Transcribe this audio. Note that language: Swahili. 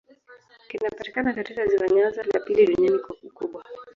Kinapatikana katika ziwa Nyanza, la pili duniani kwa ukubwa.